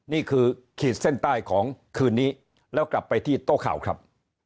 ขีดเส้นใต้ของคืนนี้แล้วกลับไปที่โต๊ะข่าวครับ